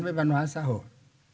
với văn hóa xã hội